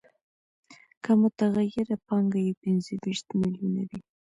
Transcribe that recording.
که متغیره پانګه یې پنځه ویشت میلیونه وي